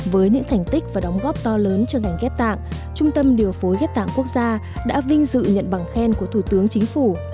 với những thành tích và đóng góp to lớn cho ngành ghép tạng trung tâm điều phối ghép tạng quốc gia đã vinh dự nhận bằng khen của thủ tướng chính phủ